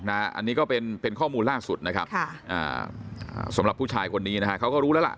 อันนี้ก็เป็นข้อมูลล่าสุดสำหรับผู้ชายคนนี้เขาก็รู้แล้ว